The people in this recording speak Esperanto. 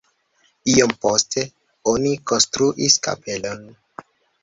Iom poste oni konstruis kapelon.